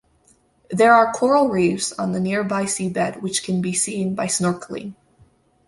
There are coral reefs on the nearby seabed which can be seen by snorkelling.